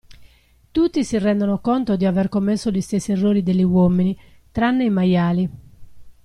Tutti si rendono conto di aver commesso gli stessi errori degli uomini, tranne i maiali.